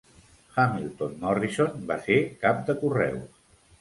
Hamilton Morrison va ser cap de correus.